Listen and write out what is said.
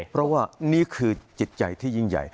เพราะว่านี่คือจิตใจที่ยิ่งใหญ่